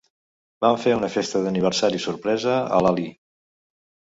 Vam fer una festa d'aniversari sorpresa a l'Ali.